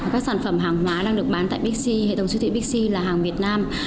các sản phẩm hàng hóa đang được bán tại hệ thống siêu thị pixi là hàng việt nam